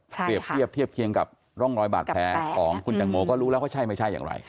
ใช่ค่ะใช่ค่ะกับแผลของคุณตางโมก็รู้แล้วว่าใช่ไม่ใช่อย่างไร